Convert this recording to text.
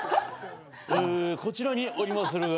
こちらにおりまするが。